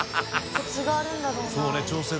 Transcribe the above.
コツがあるんだろうな。